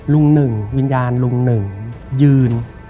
หนึ่งวิญญาณลุงหนึ่งยืน